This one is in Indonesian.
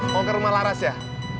mau ke rumah laras ya